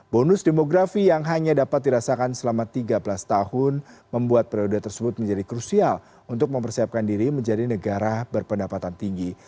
bonus demografi yang hanya dapat dirasakan selama tiga belas tahun membuat periode tersebut menjadi krusial untuk mempersiapkan diri menjadi negara berpendapatan tinggi